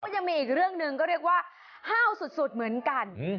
ยังมีอีกเรื่องหนึ่งก็เรียกว่าห้าวสุดเหมือนกัน